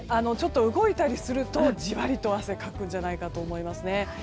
ちょっと動いたりするとジワリと汗をかくんじゃないかと思いますね。